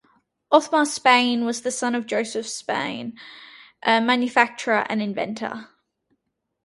Othmar Spann was the son of Josef Spann, a manufacturer and inventor.